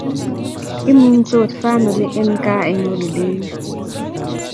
imungsoot famili en kaa eng oliday ni